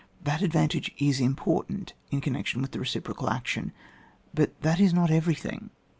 That advantage is important in connection with the reci procal action, but that is not everything.